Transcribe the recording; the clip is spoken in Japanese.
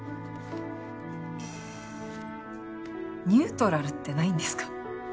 ニュートラルってないんですか？